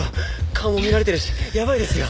顔も見られてるしやばいですよ。